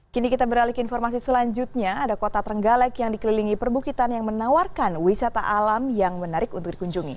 kini kita beralih ke informasi selanjutnya ada kota trenggalek yang dikelilingi perbukitan yang menawarkan wisata alam yang menarik untuk dikunjungi